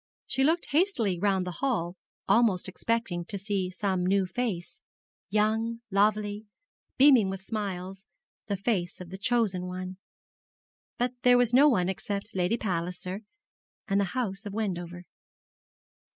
She looked hastily round the hall, almost expecting to see some new face, young, lovely, beaming with smiles the face of the chosen one. But there was no one except Lady Palliser and the house of Wendover.